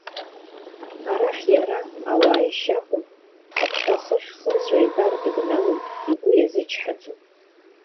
Арахь иара, ауаа ишьы акәым, акәты ахы ахьхырҵәо ибар, дыбналоит, игәы иазычҳаӡом.